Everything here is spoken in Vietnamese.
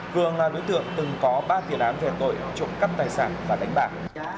cường là đối tượng từng có ba tiền án về tội trộm cắp tài sản và đánh bạc